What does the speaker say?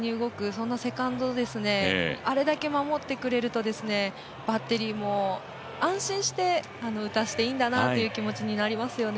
そんなセカンドをあれだけ守ってくれるとバッテリーも安心して打たせていいんだなという気持ちになりますよね。